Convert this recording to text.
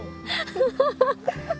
ハハハハ！